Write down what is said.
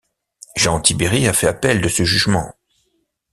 Jean Tiberi a fait appel de ce jugement.